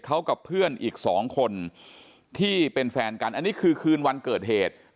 เขากับเพื่อนอีกสองคนที่เป็นแฟนกันอันนี้คือคืนวันเกิดเหตุ